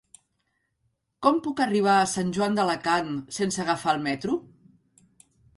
Com puc arribar a Sant Joan d'Alacant sense agafar el metro?